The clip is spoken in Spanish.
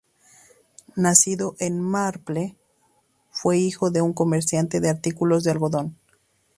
Nacido en Marple, fue hijo de un comerciante de artículos de algodón.